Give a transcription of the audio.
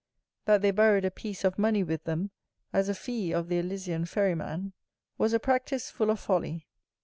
That they buried a piece of money with them as a fee of the Elysian ferryman, was a practice full of folly.